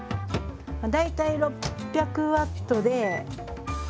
大体６００ワットで。